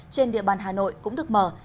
trên địa bàn hà nội cũng được mở